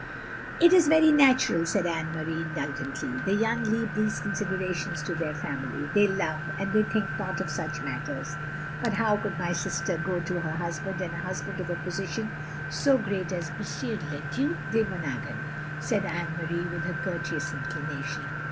"It is very natural," said Anne Marie, indul gently. "The yoting leave these considerations to their family. They love, and they think not of such matters. But how could my sister go to her husband, and a husband of a posi tion so great as M. le Due de Monaghan, " said Anne Marie, with her courteous inclination.